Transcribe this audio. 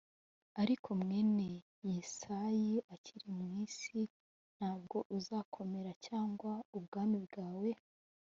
Ariko mwene Yesayi akiri mu isi ntabwo uzakomera cyangwa ubwami bwawe.